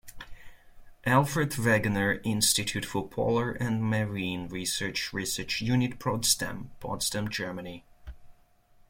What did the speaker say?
Alfred Wegener Institute for Polar and Marine Research - Research Unit Potsdam, Potsdam, Germany.